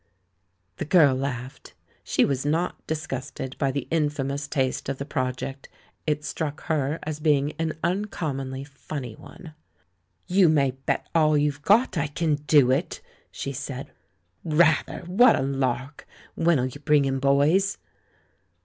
The girl laughed. She was not disgusted by the infamous taste of the project; it struck her as being an uncommonly funny one. "You may bet all j^ou've got I can do it," she said. "Rather! What a lark! When'll you bring him, boys?"